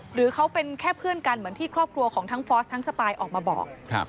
หรือเขาเป็นแค่เพื่อนกันเหมือนที่ครอบครัวของทั้งฟอสทั้งสปายออกมาบอก